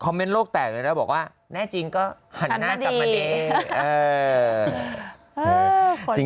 เมนต์โลกแตกเลยนะบอกว่าแน่จริงก็หันหน้ากลับมาดี